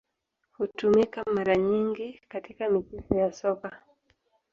Hutumika mara nyingi katika michezo ya Soka.